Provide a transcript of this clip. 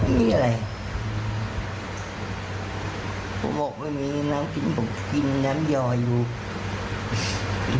น้ำผีอยู่ได้